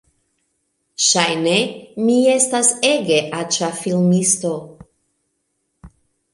Ŝajne mi estas ege aĉa filmisto